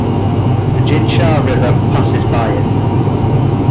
The Jinsha River passes by it.